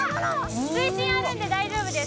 水深あるんで大丈夫です